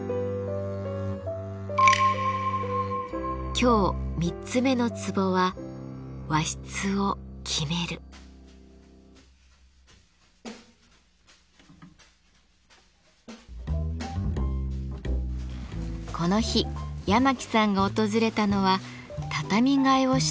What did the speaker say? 今日三つ目のツボはこの日八巻さんが訪れたのは畳替えをしたいという家族。